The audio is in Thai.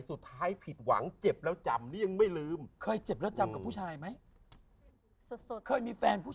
สุท้ายผิดหวังเจ็บแล้วจำนี้ยังไม่ลืม